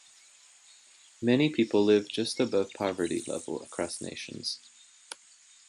Many people live just above poverty level across nations.